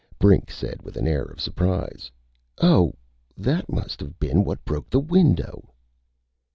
Brink said with an air of surprise: "Oh! That must have been what broke the window!"